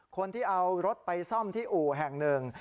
คนที่เอารถไปซ่อมที่อู่แห่งหนึ่ง